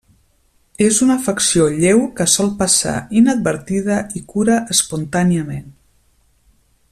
És una afecció lleu que sol passar inadvertida i cura espontàniament.